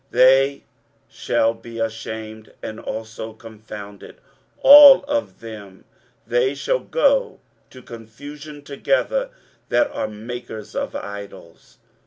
23:045:016 They shall be ashamed, and also confounded, all of them: they shall go to confusion together that are makers of idols.